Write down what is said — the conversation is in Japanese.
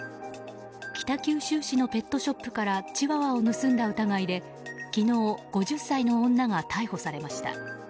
北九州市のペットショップからチワワを盗んだ疑いで昨日、５０歳の女が逮捕されました。